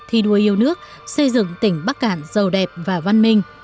thi đua yêu nước xây dựng tỉnh bắc cạn giàu đẹp và văn minh